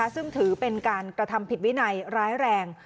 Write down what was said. ซึ่งถือเป็นการกระทำผิดวินัยร้ายแรง